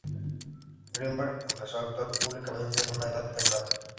Greenberg empezó actuar públicamente en una edad temprana.